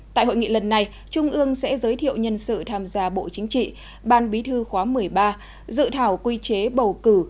tại hội nghị lần này trung ương sẽ giới thiệu nhân sự tham gia bộ chính trị ban bí thư khóa một mươi ba dự thảo quy chế bầu cử